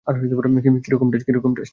কী রকম টেষ্ট।